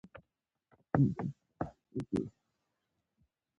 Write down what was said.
هم د پېغلوټو هم جینکیو